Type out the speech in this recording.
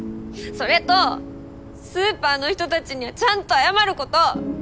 それとスーパーの人たちにちゃんと謝ること！